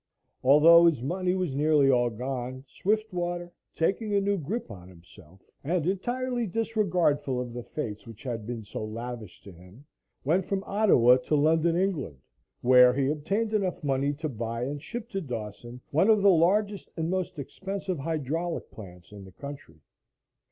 Although his money was nearly all gone, Swiftwater, taking a new grip on himself, and entirely disregardful of the fates which had been so lavish to him, went from Ottawa to London, England, where he obtained enough money to buy and ship to Dawson one of the largest and most expensive hydraulic plants in the country.